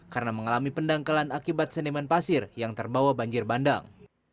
karena mengalami pendangkelan akibat seniman pasir yang terbawa banjir bandang